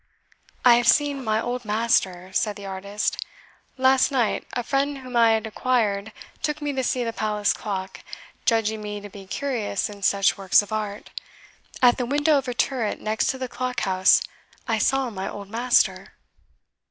"I have seen my old master," said the artist. "Last night a friend whom I had acquired took me to see the Palace clock, judging me to be curious in such works of art. At the window of a turret next to the clock house I saw my old master."